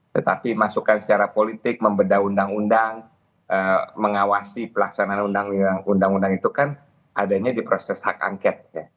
tetapi masukan secara politik membedah undang undang mengawasi pelaksanaan undang undang itu kan adanya di proses hak angket